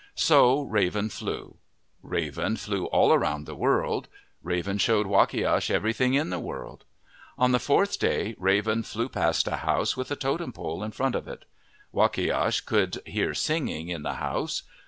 So Raven flew. Raven flew all around the world. Raven showed Wakiash everything in the world. On the fourth day, Raven flew past a house with a totem pole in front of it. Wakiash could hear singing in the house.